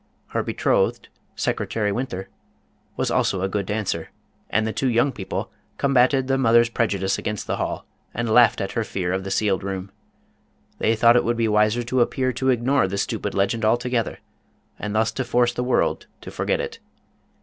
Her betrothed, Secretary Winther, was also a good dancer, and the two young peo ple combated the mother's . prejudice against the hall and laughed at her fear of the sealed room. They thought it would be wiser to appear to ignore the stupid legend alto gether, and thus to force the world to forget it.